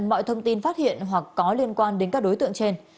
mọi thông tin phát hiện hoặc có liên quan đến các đối tượng trên